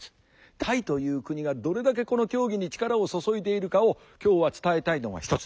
タイという国がどれだけこの競技に力を注いでいるかを今日は伝えたいのが一つ。